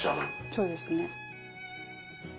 そうですね。